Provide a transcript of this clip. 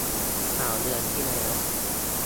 ข่าวเดือนที่แล้ว